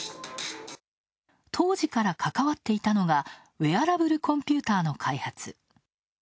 当時から関わっていたのはウエアラブルコンピューターの開発。